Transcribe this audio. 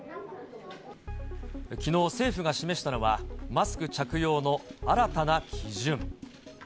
きのう、政府が示したのは、マスク着用の新たな基準。